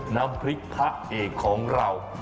น้ำพริกพระเอกของเรา